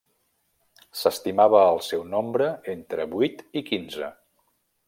S'estimava el seu nombre entre vuit i quinze.